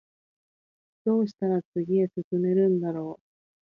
どうしたら次へ進めるんだろう